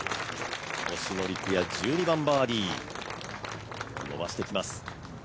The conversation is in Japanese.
星野陸也１２番バーディー伸ばしてきます。